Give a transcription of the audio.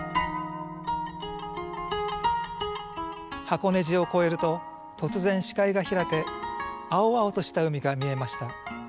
箱根路を越えると突然視界が開け青々とした海が見えました。